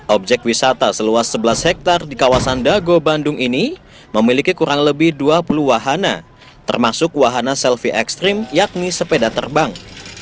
objek wisata seluas sebelas hektare di kawasan dago bandung ini memiliki kurang lebih dua puluh wahana termasuk wahana selfie ekstrim yakni sepeda terbang